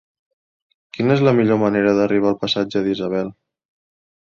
Quina és la millor manera d'arribar al passatge d'Isabel?